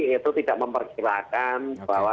itu tidak memperkirakan bahwa